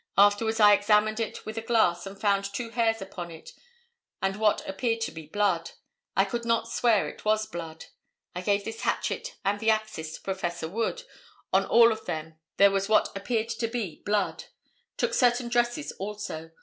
Afterwards I examined it with a glass and found two hairs upon it and what appeared to be blood. I could not swear it was blood. I gave this hatchet and the axes to Prof. Wood, on all of them there was what appeared to be blood. Took certain dresses also.